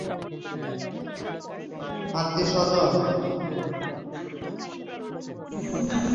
একই দিনে নেটফ্লিক্স প্রযোজক এবং অভিনেতাদের সাথে পঞ্চম এবং চূড়ান্ত অংশ নির্মাণ করার জন্য চুক্তি করে।